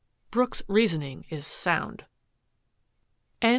Brooks's reasoning is sound."